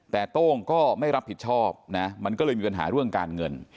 แต่โต้งก็ไม่รับผิดชอบนะมันก็เลยมีปัญหาเรื่องการเงิน